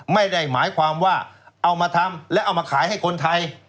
ไม่ได้หมายความว่าเอามาทำและเอามาขายให้คนไทย